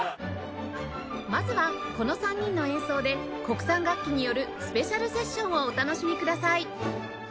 まずはこの３人の演奏で国産楽器によるスペシャルセッションをお楽しみください